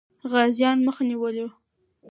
غازيان مخه نیولې وه.